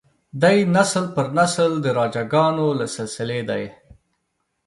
دی نسل پر نسل د راجه ګانو له سلسلې دی.